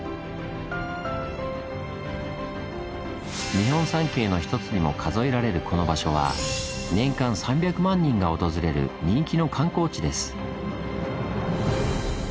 日本三景の一つにも数えられるこの場所は年間３００万人が訪れる人気の観光地です。